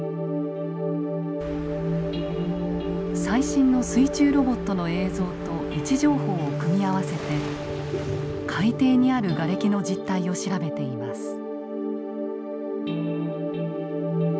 最新の水中ロボットの映像と位置情報を組み合わせて海底にあるガレキの実態を調べています。